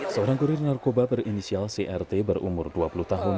seorang kurir narkoba berinisial crt berumur dua puluh tahun